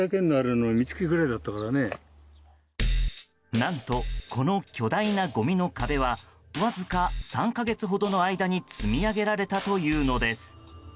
何と、この巨大なごみの壁はわずか３か月ほどの間に積み上げられたというのです。